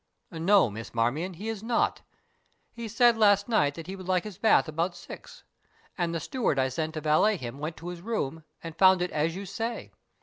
"No, Miss Marmion, he is not. He said last night that he would like his bath about six, and the steward I sent to valet him went to his room and found it as you say.